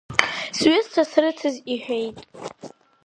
Сҩызцәа срыцыз иҳәеит.